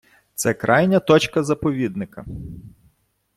Це крайня точка заповідника.